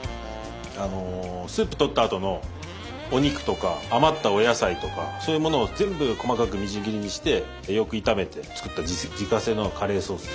スープとったあとのお肉とか余ったお野菜とかそういうものを全部細かくみじん切りにしてよく炒めて作った自家製のカレーソースです。